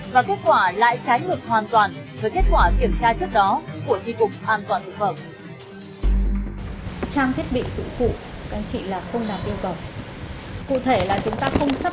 và kết quả lại trái ngược hoàn toàn